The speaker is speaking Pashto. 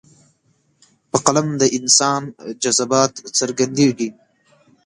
په قلم د انسان جذبات څرګندېږي.